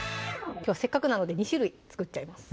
きょうはせっかくなので２種類作っちゃいます